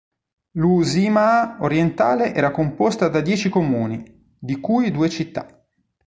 L'Uusimaa orientale era composta da dieci comuni, di cui due città.